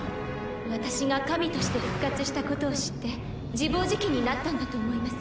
私が神として復活したことを知って自暴自棄になったんだと思います。